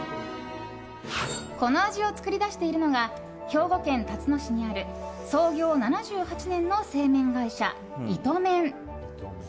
この味を作り出しているのが兵庫県たつの市にある創業７８年の製麺会社イトメン。